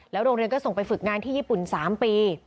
โรงเรียนก็ส่งไปฝึกงานที่ญี่ปุ่น๓ปี